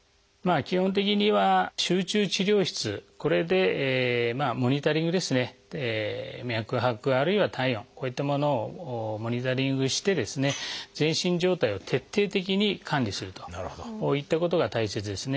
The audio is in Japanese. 基本的には集中治療室これでモニタリング脈拍あるいは体温こういったものをモニタリングして全身状態を徹底的に管理するといったことが大切ですね。